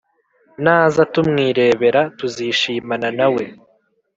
Naza tumwirebera tuzishimana nawe